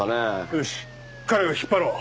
よし彼を引っ張ろう。